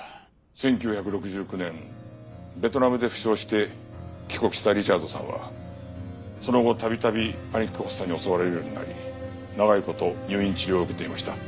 １９６９年ベトナムで負傷して帰国したリチャードさんはその後度々パニック発作に襲われるようになり長い事入院治療を受けていました。